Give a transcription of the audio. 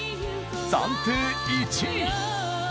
暫定１位！